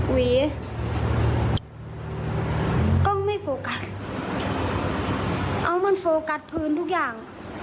หวีก็ไม่โฟกัสเอามันโฟกัสพื้นทุกอย่าง